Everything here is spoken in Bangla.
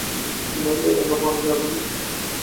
নইলে লেখা পড়া যাবে না।